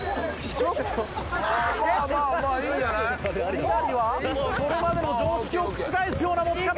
猪狩はこれまでの常識を覆すような持ち方だ！